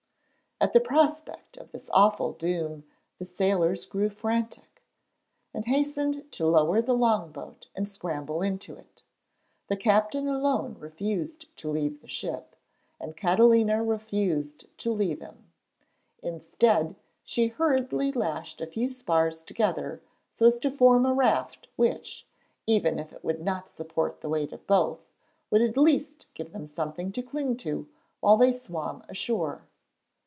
] At the prospect of this awful doom the sailors grew frantic, and hastened to lower the long boat and scramble into it. The captain alone refused to leave the ship, and Catalina refused to leave him. Instead, she hurriedly lashed a few spars together so as to form a raft which, even if it would not support the weight of both, would at least give them something to cling to while they swam ashore.